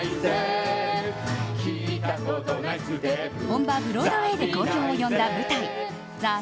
本場ブロードウェーで好評を呼んだ舞台